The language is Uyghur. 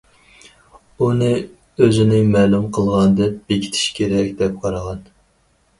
ئۇنى ئۆزىنى مەلۇم قىلغان دەپ بېكىتىش كېرەك دەپ قارىغان.